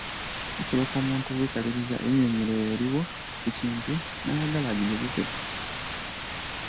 Kisoboka omuntu okwekaliriza ennyinnyonnyolero eriwo ku kintu n’ayagala agigezese.